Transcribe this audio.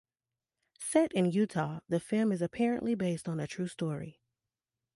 Set in Utah, the film is apparently based on a true story.